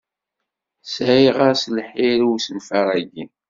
Sɛiɣ-as lḥir i usenfaṛ-agi.